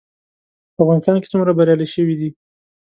په افغانستان کې څومره بریالي شوي دي؟